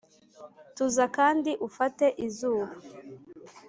tuza kandi ufate izuba